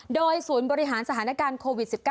โดยศูนย์บริหารสถานการณ์โควิด๑๙